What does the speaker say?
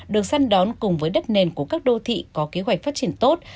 được săn đón cùng với đất nền của các đô thị có kế hoạch phát triển tốt